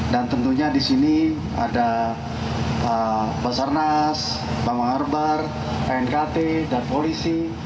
dan tentunya di sini ada basarnas bawang arbar knkt dan polisi